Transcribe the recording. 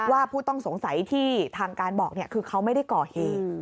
ผู้ต้องสงสัยที่ทางการบอกคือเขาไม่ได้ก่อเหตุ